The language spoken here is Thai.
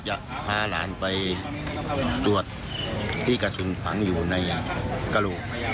จะพาหลานไปตรวจที่กระสุนฝังอยู่ในกระโหลก